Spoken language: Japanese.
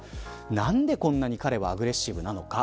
なんでこんなに彼はアグレッシブなのか。